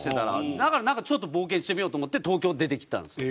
だからなんかちょっと冒険してみようと思って東京出てきたんですよ。